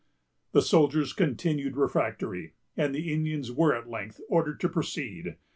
The soldiers continued refractory, and the Indians were at length ordered to proceed.